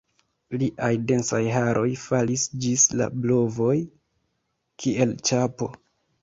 Liaj densaj haroj falis ĝis la brovoj, kiel ĉapo.